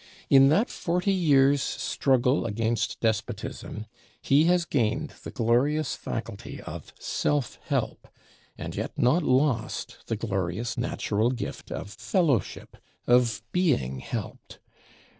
In that forty years' "struggle against despotism," he has gained the glorious faculty of self help, and yet not lost the glorious natural gift of fellowship, of being helped.